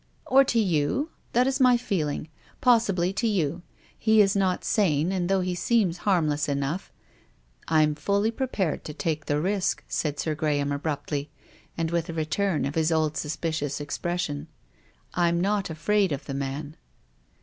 " Or to you. That is my feeling. Possibly to you. He is not sane, and though he seems harm less enough —"" I'm fully prepared to take the risk," said Sir Graham abruptly, and with a return of his old suspicious expression. " I'm not afraid of the man."